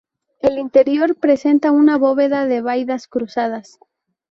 El interior presenta una bóveda de vaídas cruzadas.